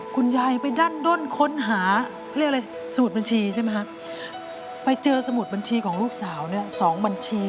คุณยายไปด้านด้นค้นหาสมุดบัญชีไปเจอสมุดบัญชีของลูกสาว๒บัญชี